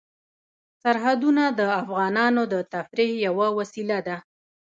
سرحدونه د افغانانو د تفریح یوه وسیله ده.